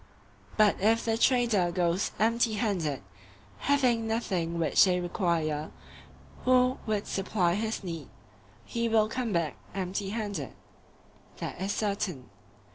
But if the trader goes empty handed, having nothing which they require who would supply his need, he will come back empty handed. That is certain.